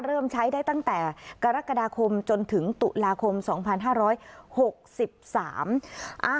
เริ่มใช้ได้ตั้งแต่กรกฎาคมจนถึงตุลาคมสองพันห้าร้อยหกสิบสามอ่า